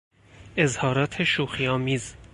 اظهارات شوخی آمیز